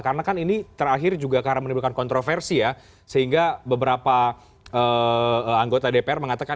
karena kan ini terakhir juga menimbulkan kontroversi ya sehingga beberapa anggota dpr mengatakan